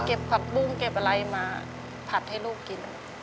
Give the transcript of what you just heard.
ผักบุ้งเก็บอะไรมาผัดให้ลูกกิน